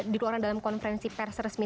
di keluarkan dalam konferensi pers resmi